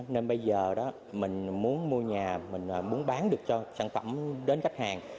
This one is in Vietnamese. nên bây giờ đó mình muốn mua nhà mình muốn bán được cho sản phẩm đến khách hàng